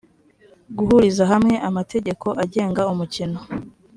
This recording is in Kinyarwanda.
guhuriza hamwe amategeko agenga umukino